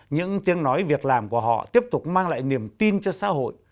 những tiếng nói việc làm của họ tiếp tục mang lại niềm tin cho xã hội